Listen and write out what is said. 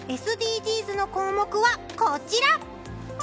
ＳＤＧｓの項目はこちら！